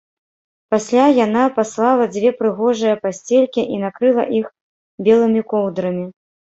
Пасля яна паслала дзве прыгожыя пасцелькі і накрыла іх белымі коўдрамі